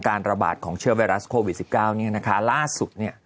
การระบาดของเชื้อโควิด๑๙ล่าสุด